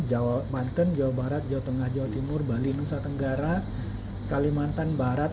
jawa banten jawa barat jawa tengah jawa timur bali nusa tenggara kalimantan barat